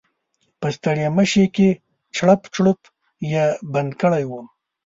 په ستړيمشې کې چړپ چړوپ یې بند کړی و.